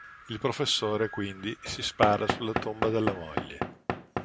Il professore quindi si spara sulla tomba della moglie.